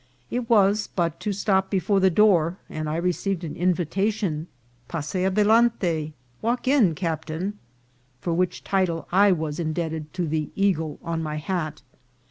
It was but to stop before the door, and I received an invitation, " Pasen ade lante," "Walk in, captain," for which title I was in debted to the eagle on my hat.